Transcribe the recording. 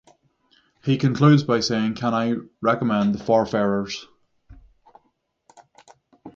He concludes by saying Can I recommend The Farfarers?